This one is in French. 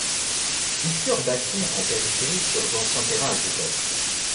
Ils furent bâtis en périphérie sur d'anciens terrains agricoles.